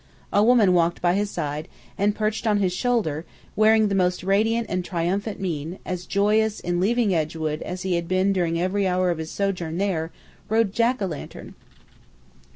A woman walked by his side, and perched on his shoulder, wearing his most radiant and triumphant mien, as joyous in leaving Edgewood as he had been during every hour of his sojourn there rode Jack o' lantern!